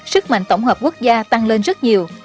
sức mạnh tổng hợp quốc gia tăng lên rất nhiều